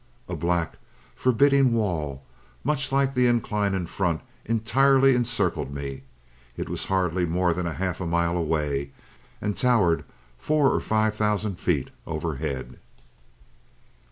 A black, forbidding wall, much like the incline in front, entirely encircled me. It was hardly more than half a mile away, and towered four or five thousand feet overhead.